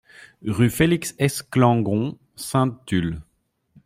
Rue Felix Esclangon, Sainte-Tulle